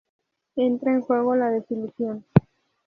Entra en juego la desilusión.